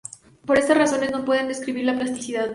Por esas razones no pueden describir la plasticidad.